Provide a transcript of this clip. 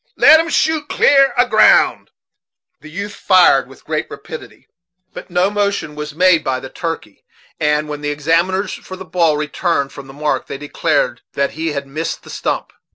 Let 'em shoot clear a ground." The youth fired with great rapidity, but no motion was made by the turkey; and, when the examiners for the ball returned from the "mark," they declared that he had missed the stump.